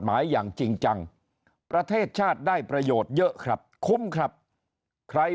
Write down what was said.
หมายอย่างจริงจังประเทศชาติได้ประโยชน์เยอะครับคุ้มครับใคร